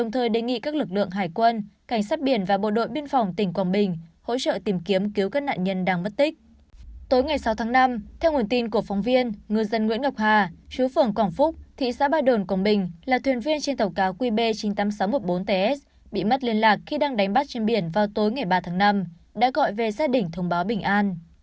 sáu tháng năm theo nguồn tin của phóng viên ngư dân nguyễn ngọc hà chú phưởng quảng phúc thị xã ba đồn cổng bình là thuyền viên trên tàu cá qb chín mươi tám nghìn sáu trăm một mươi bốn ts bị mất liên lạc khi đang đánh bắt trên biển vào tối ngày ba tháng năm đã gọi về xe đỉnh thông báo bình an